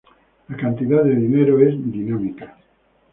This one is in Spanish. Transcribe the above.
La cantidad de dinero es dinámica.